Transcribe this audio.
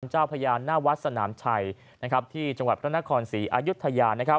เจ้าพยานหน้าวัดสนามชัยที่จังหวัดพระนครศรีอายุทยา